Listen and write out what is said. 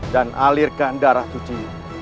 dan alirkan darah suci